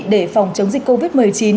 để phòng chống dịch covid một mươi chín